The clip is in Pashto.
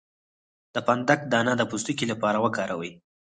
د فندق دانه د پوستکي لپاره وکاروئ